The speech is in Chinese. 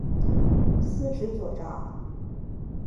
司职左闸。